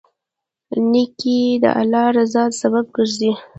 نیکي د الله رضا سبب ګرځي.